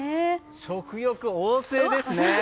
食欲旺盛ですね。